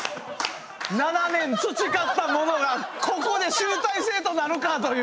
７年培ったものがここで集大成となるかという。